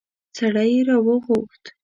سړی يې راوغوښت.